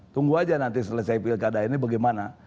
tunggu aja nanti setelah saya pilih keadaan ini bagaimana